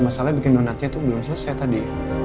masalahnya bikin donatnya itu belum selesai tadi